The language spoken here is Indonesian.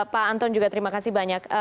pak anton juga terima kasih banyak